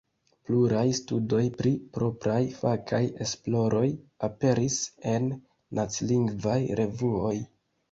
Pluraj studoj pri propraj fakaj esploroj aperis en nacilingvaj revuoj.